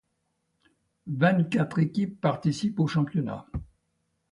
Vingt-quatre équipes participent au championnat.